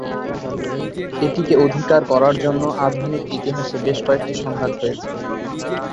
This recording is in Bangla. এটিকে অধিকার করার জন্য আধুনিক ইতিহাসে বেশ কয়েকটি সংঘাত হয়েছে।